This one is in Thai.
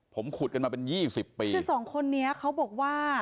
ผมขุดกันมาเป็นยี่สิบปีคือสองคนนี้เขาบอกว่า